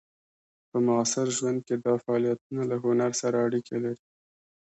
په معاصر ژوند کې دا فعالیتونه له هنر سره اړیکې لري.